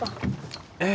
え！